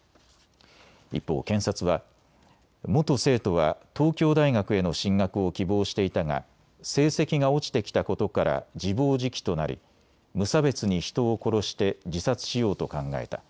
一方、検察は元生徒は東京大学への進学を希望していたが成績が落ちてきたことから自暴自棄となり無差別に人を殺して自殺しようと考えた。